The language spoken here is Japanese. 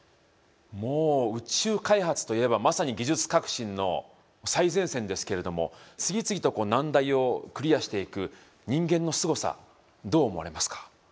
もう宇宙開発といえばまさに技術革新の最前線ですけれども次々と難題をクリアしていく人間のすごさどう思われますか。